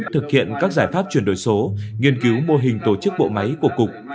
thực hiện các giải pháp chuyển đổi số nghiên cứu mô hình tổ chức bộ máy của cục